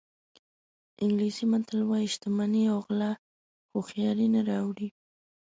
انګلیسي متل وایي شتمني او غلا هوښیاري نه راوړي.